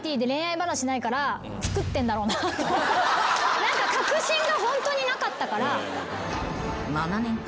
何か確信がホントになかったから。